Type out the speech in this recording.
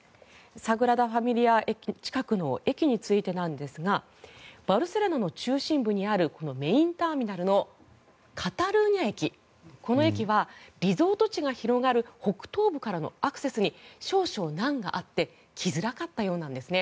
サグラダ・ファミリア近くの駅についてなんですがバルセロナの中心部にあるメインターミナルのカタルーニャ駅この駅はリゾート地が広がる北東部からのアクセスに少々難があって来づらかったようなんですね。